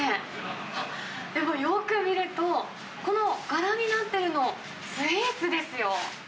あっ、よく見ると、この柄になっているの、スイーツですよ。